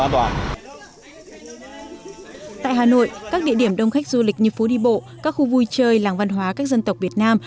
tại hà nội các địa điểm đông khách du lịch như phố đi bộ các khu vui chơi làng văn hóa các dân tộc việt nam